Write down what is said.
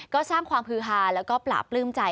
ก็สร้างความฮือฮาแล้วก็ปลาปลื้มใจ